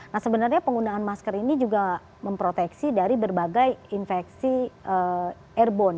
nah sebenarnya penggunaan masker ini juga memproteksi dari berbagai infeksi airborne